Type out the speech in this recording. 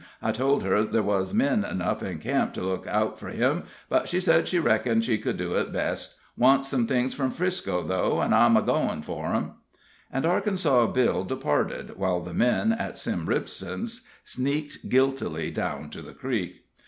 I tol' her ther' wuz men enough in camp to look out fur him, but she said she reckoned she could do it best. Wants some things from 'Frisco, though, an' I'm a goin' for 'em." And Arkansas Bill departed, while the men at Sim Ripson's sneaked guiltily down to the creek.